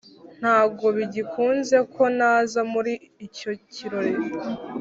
ntago bigikunze ko naza muri icyo kirori